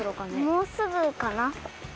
もうすぐかな？